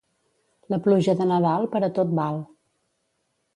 La pluja de Nadal per a tot val.